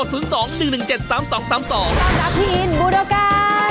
สวัสดีค่ะพี่อินบูด้วกัน